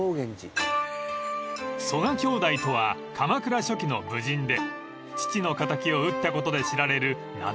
［曽我兄弟とは鎌倉初期の武人で父の敵を討ったことで知られる名高い兄弟］